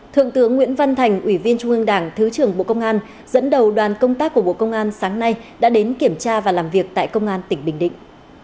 thượng tướng nguyễn văn thành ủy viên trung ương đảng thứ trưởng bộ công an dẫn đầu đoàn công tác của bộ công an sáng nay đã đến kiểm tra và làm việc tại công an tỉnh bình định